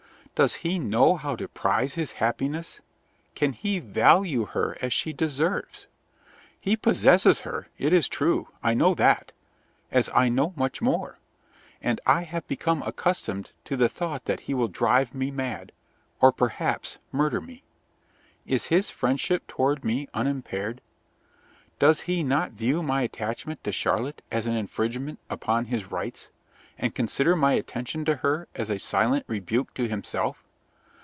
Does he know how to prize his happiness? Can he value her as she deserves? He possesses her, it is true, I know that, as I know much more, and I have become accustomed to the thought that he will drive me mad, or, perhaps, murder me. Is his friendship toward me unimpaired? Does he not view my attachment to Charlotte as an infringement upon his rights, and consider my attention to her as a silent rebuke to himself?